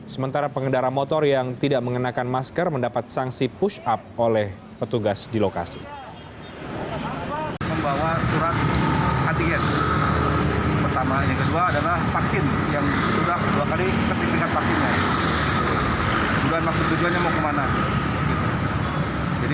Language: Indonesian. sementara pengendara motor yang tidak mengenakan masker mendapat sanksi push up oleh petugas di lokasi